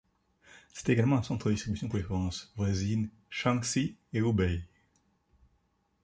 C'est également un centre de distribution pour les provinces voisines, Shaanxi et Hubei.